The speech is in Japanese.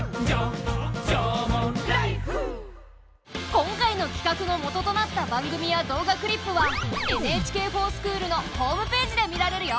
今回の企画のもととなった番組や動画クリップは「ＮＨＫｆｏｒＳｃｈｏｏｌ」のホームページで見られるよ。